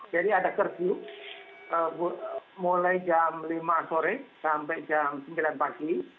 jadi ada kerjuh mulai jam lima sore sampai jam sembilan pagi